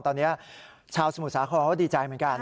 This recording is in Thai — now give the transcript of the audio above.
ตอนนี้ชาวสมุทรสาครก็ดีใจเหมือนกัน